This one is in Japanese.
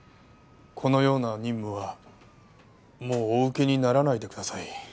このような任務はもうお受けにならないでください。